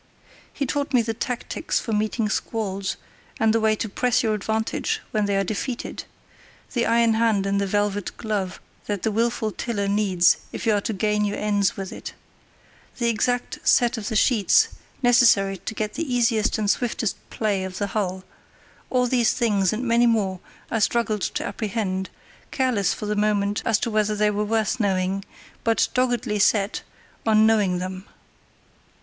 He taught me the tactics for meeting squalls, and the way to press your advantage when they are defeated—the iron hand in the velvet glove that the wilful tiller needs if you are to gain your ends with it; the exact set of the sheets necessary to get the easiest and swiftest play of the hull—all these things and many more I struggled to apprehend, careless for the moment as to whether they were worth knowing, but doggedly set on knowing them.